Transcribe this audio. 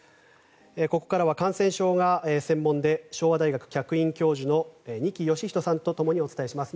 ここからは感染症がご専門で昭和大学客員教授の二木芳人さんとともにお伝えします。